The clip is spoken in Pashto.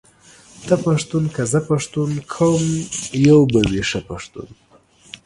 ته پښتون که زه پښتون ، کوم يو به وي ښه پښتون ،